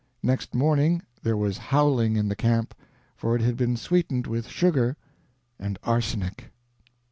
Next morning there was howling in the camp, for it had been sweetened with sugar and arsenic!"